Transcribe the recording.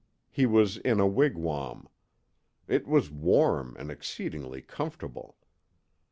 He was in a wigwam. It was warm and exceedingly comfortable.